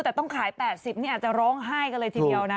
แต่ต้องขาย๘๐นี่อาจจะร้องไห้กันเลยทีเดียวนะ